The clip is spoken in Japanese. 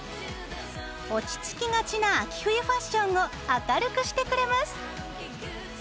落ち着きがちな秋冬ファッションを明るくしてくれます！